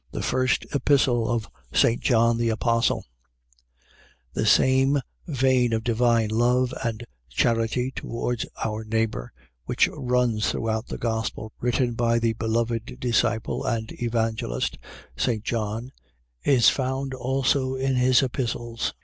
THE FIRST EPISTLE OF ST. JOHN THE APOSTLE The same vein of divine love and charity towards our neighbour, which runs throughout the Gospel written by the beloved disciple and Evangelist, St. John, is found also in his Epistles.